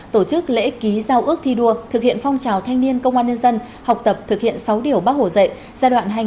tổ chức lễ ký giao ước thi đua thực hiện phong trào thanh niên công an nhân dân học tập thực hiện sáu điểu bác hổ dệ